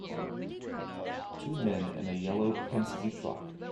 Two men in a yellow Penske truck